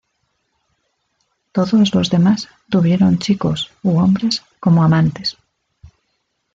Todos los demás tuvieron chicos u hombres como amantes.